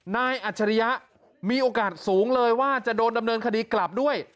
อัจฉริยะมีโอกาสสูงเลยว่าจะโดนดำเนินคดีกลับด้วย